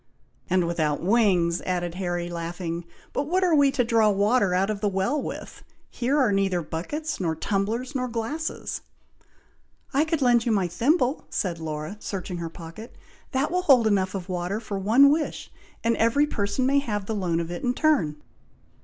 "And without wings," added Harry, laughing; "but what are we to draw water out of the well with? here are neither buckets, nor tumblers, nor glasses!" "I could lend you my thimble!" said Laura, searching her pocket. "That will hold enough of water for one wish, and every person may have the loan of it in turn."